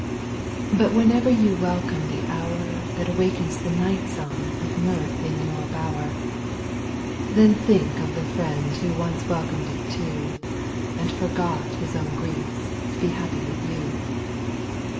— but whenever you welcome the hour That awakens the night song of mirth in your bower, MOORE 34 T Then think of the friend who once welcomed it too, And forgot his own griefs to be happy with you.